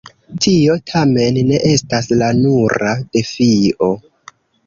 Tio tamen ne estas la nura defio.